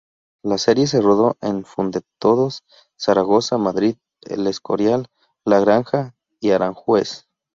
La serie se rodó en Fuendetodos, Zaragoza, Madrid, El Escorial, La Granja y Aranjuez.